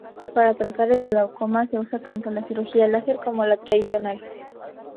Para tratar el glaucoma se usa tanto la cirugía láser como la tradicional.